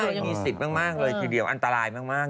ไม่มีสิทธิ์มากเลยทีเดียวอันตรายมาก